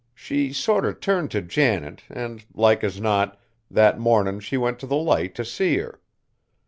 She sort o' turned t' Janet, an', like as not, that mornin' she went t' the Light t' see her.